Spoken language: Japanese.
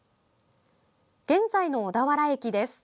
現在の小田原駅です。